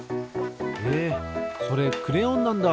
へえそれクレヨンなんだ。